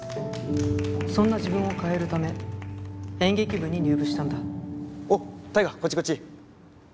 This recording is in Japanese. そんな自分を変えるため演劇部に入部したんだおっ大我こっちこっち。